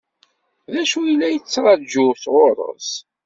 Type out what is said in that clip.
D acu i la yettṛaǧu sɣur-s?